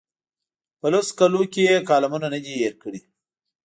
په لسو کالو کې یې کالمونه نه دي هېر کړي.